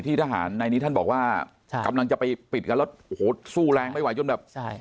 ที่ทหารในนี้ท่านบอกว่ากำลังจะไปปิดกันแล้วสู้แรงไม่ไหวจนแบบ